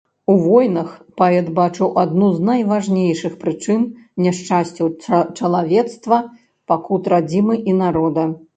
У войнах паэт бачыў адну з найважнейшых прычын няшчасцяў чалавецтва, пакут радзімы і народа.